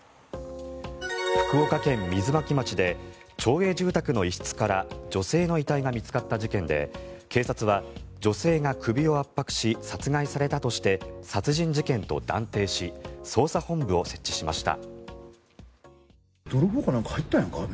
福岡県水巻町で町営住宅の一室から女性の遺体が見つかった事件で警察は女性が首を圧迫し殺害されたとして殺人事件と断定し捜査本部を設置しました。